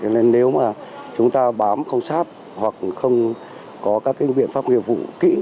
nên nếu mà chúng ta bám không sát hoặc không có các biện pháp nghiệp vụ kỹ